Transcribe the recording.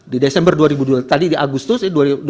di desember dua ribu dua puluh tiga tadi di agustus